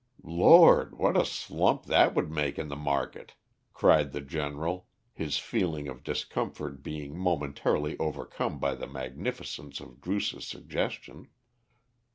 "Lord! what a slump that would make in the market!" cried the General, his feeling of discomfort being momentarily overcome by the magnificence of Druce's suggestion.